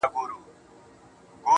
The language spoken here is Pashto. او دی چلند د نړۍ پر کچه